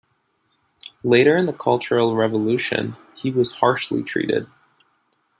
Later in the Cultural Revolution, he was harshly treated.